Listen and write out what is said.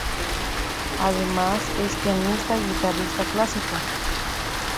Además, es pianista y guitarrista clásico.